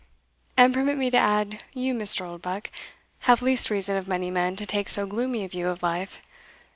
And permit me to add, you, Mr. Oldbuck, have least reason of many men to take so gloomy a view of life.